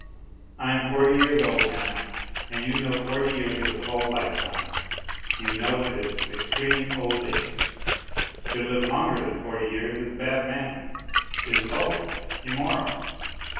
I am forty years old now, and you know forty years is a whole life time; you know it is extreme old age. To live longer than forty years is bad manners, is vulgar, immoral.